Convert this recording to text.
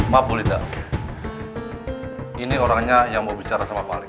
maaf bu lita ini orangnya yang mau bicara sama pak alex